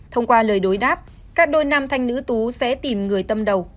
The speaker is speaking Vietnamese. thông qua lời đối đáp các đôi nam thanh nữ tú sẽ tìm người tâm đầu